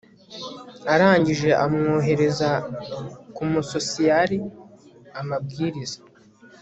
arangije amwohereza ku musosiyari amabwiriza